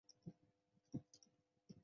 雷神庙战斗被视为胶东抗战的第一枪。